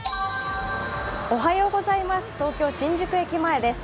東京・新宿駅前です。